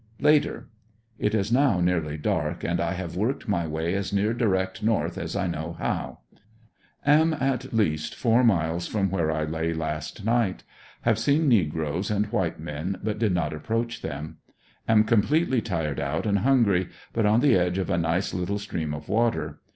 Later. — It is now nearly dark and I have worked my way as near direct north as I know how Am at least four miles from where I lay last night. Have seen negroes, and white men, but did not approach them. Am completely tired out and hungry, but on the edge of a nice little stream of water.